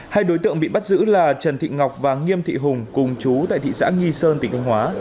hai đối tượng bị bắt giữ là trần thị ngọc và nghiêm thị hùng cùng chú tại thị xã nghi sơn tỉnh thanh hóa